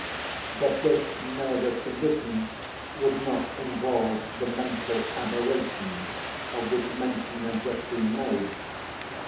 But this nervous condition would not involve the mental aberration of which mention had just been made.